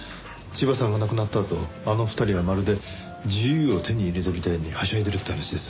千葉さんが亡くなったあとあの２人はまるで自由を手に入れたみたいにはしゃいでるって話です。